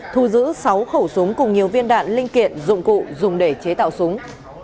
thu giữ sáu khẩu súng cùng nhiều viên đạn linh kiện dụng cụ dùng để chế tạo súng